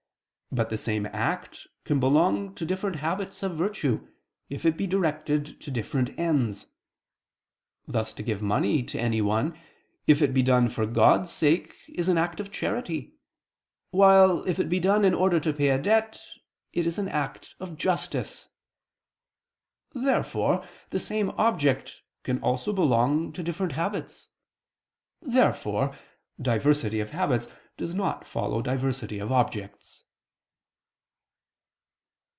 But the same act can belong to different habits of virtue, if it be directed to different ends; thus to give money to anyone, if it be done for God's sake, is an act of charity; while, if it be done in order to pay a debt, it is an act of justice. Therefore the same object can also belong to different habits. Therefore diversity of habits does not follow diversity of objects.